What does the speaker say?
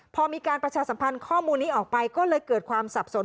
พอมีการประชาสัมพันธ์ข้อมูลนี้ออกไปก็เลยเกิดความสับสน